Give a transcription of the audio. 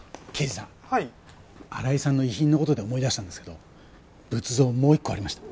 荒井さんの遺品の事で思い出したんですけど仏像もう一個ありました。